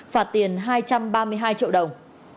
phạt tiền hai trăm ba mươi hai triệu đồng